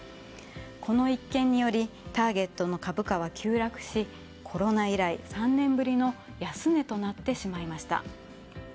この一件によりターゲットの株価は急落しコロナ以来、３年ぶりの安値となってしまいました。